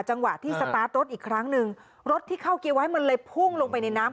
จังหวะที่สตาร์ทรถอีกครั้งหนึ่งรถที่เข้าเกียร์ไว้มันเลยพุ่งลงไปในน้ำ